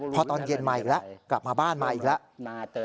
พอตอนเย็นมาอีกแล้วกลับมาบ้านมาอีกแล้ว